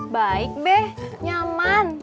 baik be nyaman